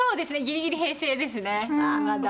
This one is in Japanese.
ギリギリ平成ですねまだ。